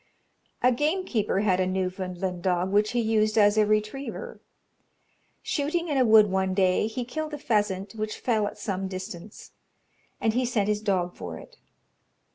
A gamekeeper had a Newfoundland dog which he used as a retriever. Shooting in a wood one day, he killed a pheasant, which fell at some distance, and he sent his dog for it.